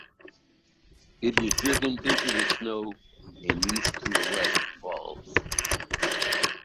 It is driven into the snow and used to arrest falls.